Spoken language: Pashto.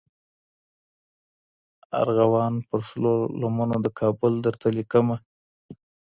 ارغوان پر سرو لمنو د کابل درته لیکمه